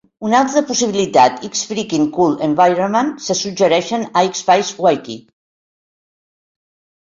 Una altra possibilitat "X Freakin' Cool Environment" se suggereix a Xfce Wiki.